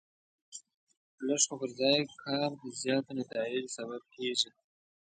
لږ خو پر ځای کار د زیاتو نتایجو سبب کېږي.